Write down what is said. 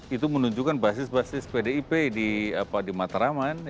itu menunjukkan basis basis pdip di matraman